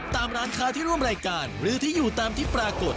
ตามร้านค้าที่ร่วมรายการหรือที่อยู่ตามที่ปรากฏ